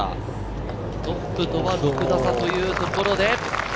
トップとは６打差というところで。